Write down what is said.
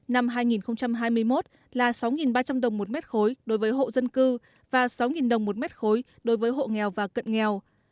năm hai nghìn hai mươi một là sáu ba trăm linh đồng một mét khối đối với hộ dân cư và sáu đồng một mét khối đối với hộ nghèo và cận nghèo